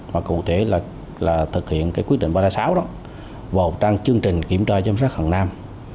và cụ thể là thực hiện quyết định ba trăm linh sáu đó vào trang chương trình kiểm tra giám sát hàng nam